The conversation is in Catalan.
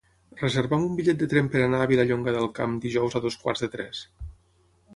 Reserva'm un bitllet de tren per anar a Vilallonga del Camp dijous a dos quarts de tres.